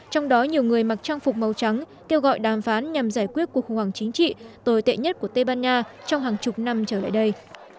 trong đó nhiều người mặc trang phục màu trắng kêu gọi đàm phán nhằm giải quyết cuộc khủng hoảng chính trị tồi tệ nhất của tây ban nha trong hàng chục năm trở lại đây